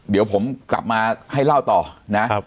เดี๋ยวผมกลับมาให้เล่าต่อนะ